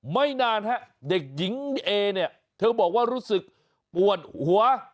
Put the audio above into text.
ไม่นานฮะเด็กหญิงเอเนี่ยเธอบอกว่ารู้สึกปวดหัว